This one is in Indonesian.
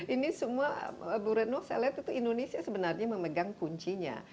ini semua bu reno saya lihat itu indonesia sebenarnya memegang kuncinya